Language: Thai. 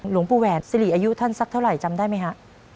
หลวงปู่แหวนสิริอายุท่านสักเท่าไหร่จำได้ไหมฮะ